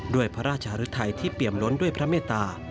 ด้วยพระราชหรือไทยที่เปี่ยมล้นด้วยพระเมตตา